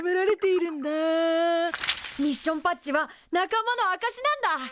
ミッションパッチは仲間のあかしなんだ。